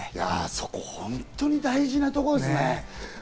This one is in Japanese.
そこ本当に大事なところですね。